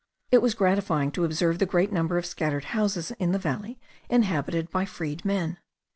It was gratifying to observe the great number of scattered houses in the valley inhabited by freedmen.